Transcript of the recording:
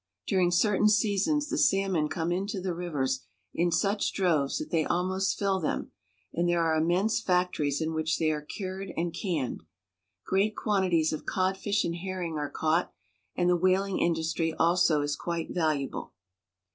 During certain seasons the salmon come into the rivers in such droves that they al most fill them, and there are immense factories in which they are cured and canned. Great quantities of codfish and herring are caught, and the whaling industry also is quite valuable.